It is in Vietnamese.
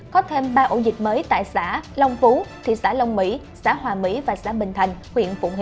có thêm ba ổ dịch mới tại xã long phú thị xã long mỹ xã hòa mỹ và xã bình thành huyện phụng